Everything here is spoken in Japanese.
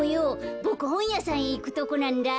ボクほんやさんへいくとこなんだ。